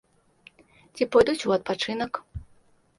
Ці пойдуць у адпачынак.